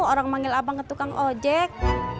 orang manggil abang ke tukang ojek